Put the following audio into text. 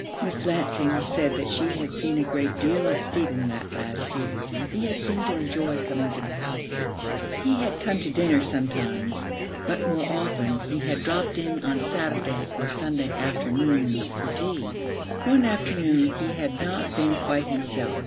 Miss Lansing said that she had seen a great deal of Stephen that last year. He had seemed to enjoy coming to the house. He had come to dinner sometimes, but more often he had dropped in on Saturday or Sunday afternoons for tea. One afternoon he had not been quite himself.